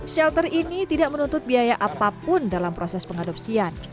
shelter ini tidak menuntut biaya apapun dalam proses pengadopsian